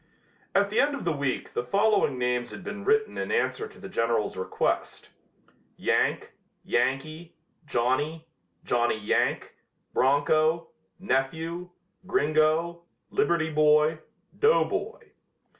At the end of the week the following names had been written in answer to the General's request: "Yank, Yankee, Johnnie, Johnny Yank, Broncho, Nephew, Gringo, Liberty Boy, Doughboy."